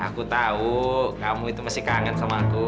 aku tahu kamu itu mesti kangen sama aku